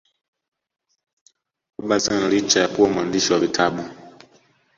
Robertson licha ya kuwa mwandishi wa vitabu